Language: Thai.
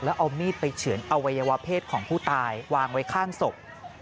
แล้วเอามีดไปเฉือนอวัยวะเพศของผู้ตายวางไว้ข้างศพ